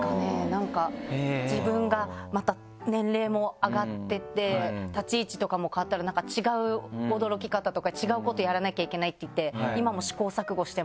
なんか自分がまた年齢も上がってて立ち位置とかも変わったらなんか違う驚き方とか違うことやらなきゃいけないっていって今も。